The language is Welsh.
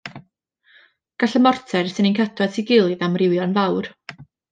Gall y morter sy'n eu cadw at ei gilydd amrywio'n fawr.